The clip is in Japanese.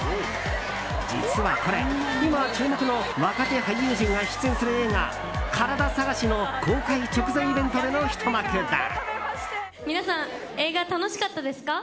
実はこれ、今注目の若手俳優陣が出演する映画「カラダ探し」の公開直前イベントでのひと幕だ。